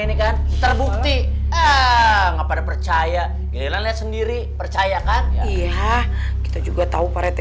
ini kan terbukti ah nggak pada percaya gililan lihat sendiri percaya kan iya kita juga tahu pareti